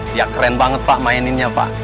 dia keren banget pak maininnya pak